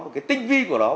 cái tinh vi của nó